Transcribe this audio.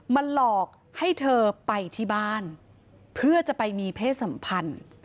หลอกให้เธอไปที่บ้านเพื่อจะไปมีเพศสัมพันธ์